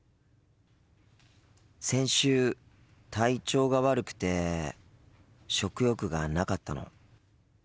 先週体調が悪くて食欲がなかったの。